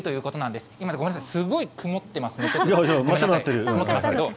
すごい曇ってますね。